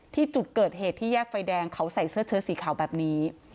ที่จุดเกิดเหตุที่แยกไฟแดงเขาใส่เสื้อเชิดสีขาวแบบนี้